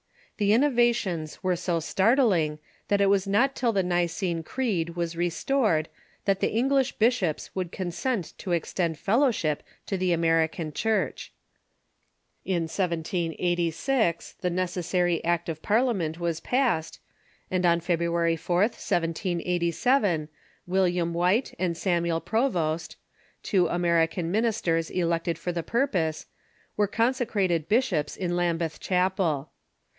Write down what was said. The innovations were so startling that it w^as not till the Nicene Creed Avas restored that the English bishops would consent to extend fellowship to the American Church. In 1786 the necessary Act of Par liament was passed, and on February 4th, 1787, William White and Samuel Provost, two American ministers elected for the purpose, were consecrated bishops in Lambeth Chapel.